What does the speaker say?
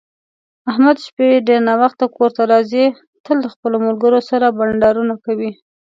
احمد د شپې ډېر ناوخته کورته راځي، تل د خپلو ملگرو سره بنډارونه کوي.